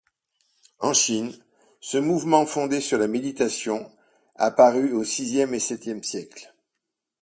En Chine, ce mouvement fondé sur la méditation apparut aux sixième et septième siècles.